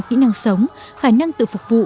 kỹ năng sống khả năng tự phục vụ